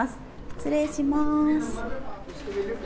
失礼します。